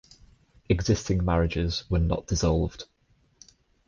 Existing marriages were not dissolved.